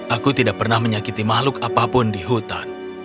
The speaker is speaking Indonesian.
aku tidak pernah menyakiti makhluk apapun di hutan